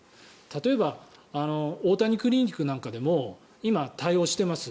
例えば大谷クリニックなんかでも今、対応しています。